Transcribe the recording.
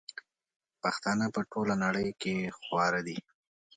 پښتانه په ټوله نړئ کي خواره دي